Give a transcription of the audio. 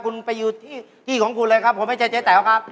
คุณไปอยู่ที่ที่ของคุณเลยครับผมไม่ใช่เจ๊แต๋วครับ